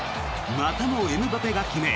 またもエムバペが決め